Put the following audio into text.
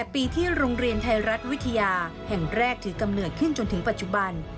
๘ปีที่โรงเรียนไทยรัฐวิทยาแห่งแรกถือกำเนิดขึ้นจนถึงปัจจุบัน